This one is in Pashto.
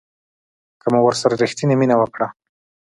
که مو ورسره ریښتینې مینه وکړه